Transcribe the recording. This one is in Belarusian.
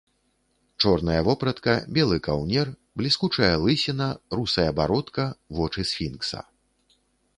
Чорная вопратка, белы каўнер, бліскучая лысіна, русая бародка, вочы сфінкса.